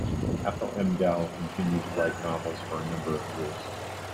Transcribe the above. Ethel M. Dell continued to write novels for a number of years.